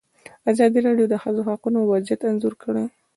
ازادي راډیو د د ښځو حقونه وضعیت انځور کړی.